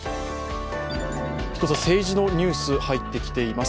政治のニュース、入ってきています